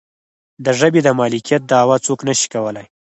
د ژبې د مالکیت دعوه څوک نشي کولی.